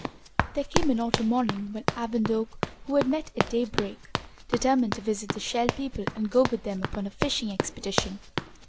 There came an autumn morning when Ab and Oak, who had met at daybreak, determined to visit the Shell People and go with them upon a fishing expedition.